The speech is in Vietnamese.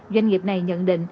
doanh nghiệp này nhận định